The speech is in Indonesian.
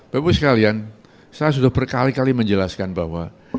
bapak ibu sekalian saya sudah berkali kali menjelaskan bahwa